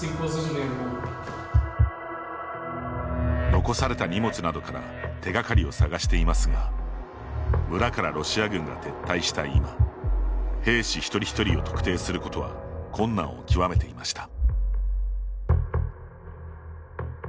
残された荷物などから手がかりを探していますが村からロシア軍が撤退した今兵士一人一人を特定することは困難を極めていました。